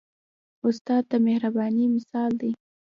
استاد د مهربانۍ مثال دی.